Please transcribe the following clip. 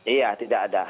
iya tidak ada